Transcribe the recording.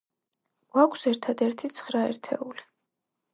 გვაქვს, ერთადერთი, ცხრა ერთეული.